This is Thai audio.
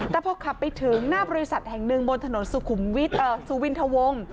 แต่พอขับไปถึงหน้าบริษัทแห่งหนึ่งบนถนนสุขวินทะวง